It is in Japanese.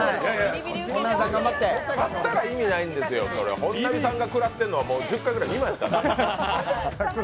勝ったら意味ないんですよ、本並さんが食らったのはもう１０回ぐらい見ましたから。